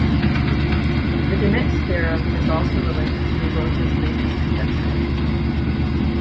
The Dinitz theorem is also related to Rota's basis conjecture.